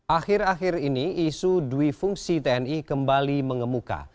akhir akhir ini isu duifungsi tni kembali mengemuka